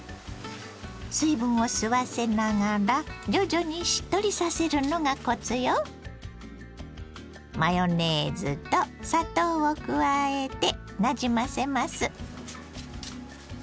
水分を吸わせながら徐々にしっとりさせるのがコツよ。を加えてなじませます。